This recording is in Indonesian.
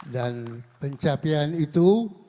dan pencapaian itu